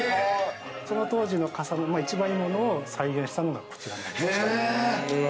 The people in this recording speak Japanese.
その当時の傘の一番いいものを再現したのがこちら。